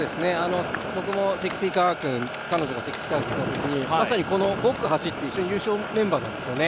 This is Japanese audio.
僕も彼女が積水化学のときにまさにこの５区を走った一緒の優勝メンバーなんですね。